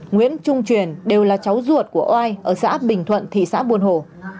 nguyễn trung truyền đều là cháu ruột của oai ở xã bình thuận thị xã buôn hồ